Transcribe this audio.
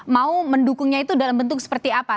mau mendukungnya itu dalam bentuk seperti apa